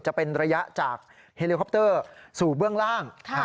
จะเป็นระยะจากเฮลิคอปเตอร์สู่เบื้องล่าง